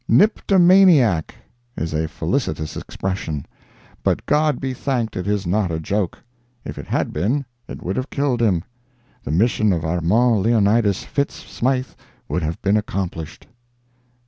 "Niptomaniac" is a felicitous expression, but God be thanked it is not a joke. If it had been, it would have killed him—the mission of Armand Leonidas Fitz Smythe would have been accomplished.